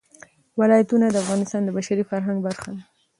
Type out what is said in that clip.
ولایتونه د افغانستان د بشري فرهنګ برخه ده.